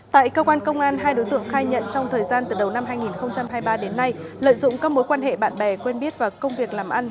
tại cơ quan công an hai đối tượng khai nhận trong thời gian từ đầu năm hai nghìn hai mươi ba đến nay lợi dụng các mối quan hệ bạn bè quen biết và công việc làm ăn